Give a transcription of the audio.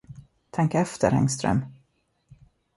Tänk efter, Engström!